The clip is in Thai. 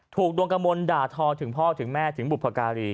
ถูกโดรกมนตร์ด่าทองถึงพ่อถึงแม่ถึงบุปรการี